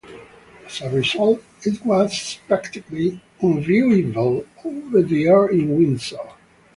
As a result, it was practically unviewable over-the-air in Windsor.